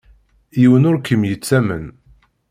Yiwen ur kem-yettamen.